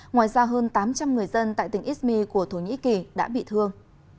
ngoài ra hơn tám trăm linh người dân tại tỉnh ismi của thổ nhĩ kỳ đã bị thương